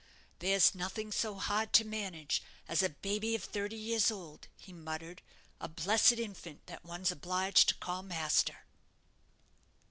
"There's nothing so hard to manage as a baby of thirty years old," he muttered; "a blessed infant that one's obliged to call master."